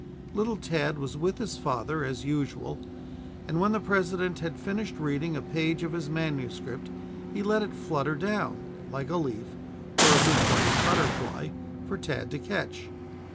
Little Tad was with his father, as usual, and when the President had finished reading a page of his manuscript he let it flutter down, like a leaf, or a big white butterfly, for Tad to catch.